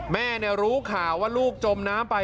แม่รู้ข่าวว่าลูกจมน้ำไป